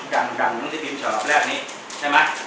กลางอย่างที่บินชาวหลักแรกนี้ใช่มั้ย